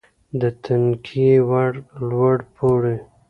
د تکیې وړ لوړ پوړی